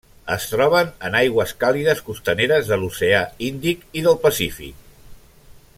Es troben en aigües càlides costaneres de l'Oceà Índic i del Pacífic.